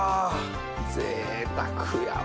ぜいたくやわ。